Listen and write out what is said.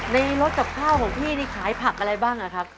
รถกับข้าวของพี่นี่ขายผักอะไรบ้างอะครับ